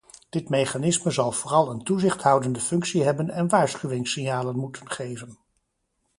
Dit mechanisme zal vooral een toezichthoudende functie hebben en waarschuwingssignalen moeten geven.